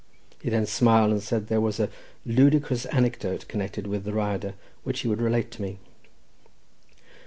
He then smiled, and said that there was a ludicrous anecdote connected with the Rhyadr, which he would relate to me.